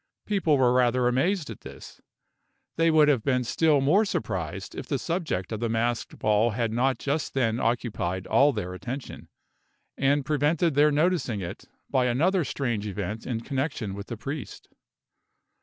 People were rather amazed at this. They would have been still more surprised if the subject of the masked ball had not just then occupied all their attention, and prevented their noticing it, by another strange event in connection with the priest.